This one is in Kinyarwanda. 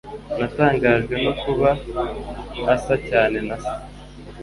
Natangajwe no kuba asa cyane na se.